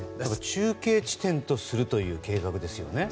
中継地点とするという計画ですよね。